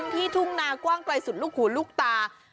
ทุ่งนากว้างไกลสุดลูกหูลูกตา